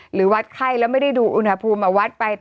หรือวัดไข้แล้วไม่ได้ดูอุณหภูมิมาวัดไป